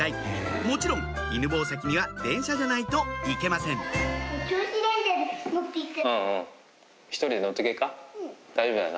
もちろん犬吠埼には電車じゃないと行けません大丈夫だよな？